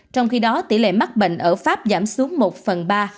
trong khi đó tỷ lệ mắc bệnh ở pháp giảm xuống một phần ba